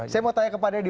saya mau tanya ke pak deddy